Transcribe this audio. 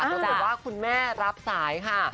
ปรากฏว่าคุณแม่รับสายค่ะ